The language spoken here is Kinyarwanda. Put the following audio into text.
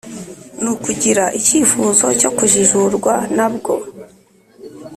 ni ukugira icyifuzo cyo kujijurwa na bwo,